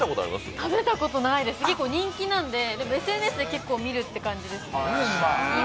食べたことないです、人気なんで、でもＳＮＳで結構見るって感じですね。